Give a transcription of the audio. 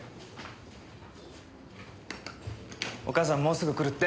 お母さんもうすぐ来るって。